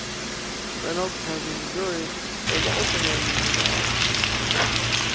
Reynolds County, Missouri was also named in his honor.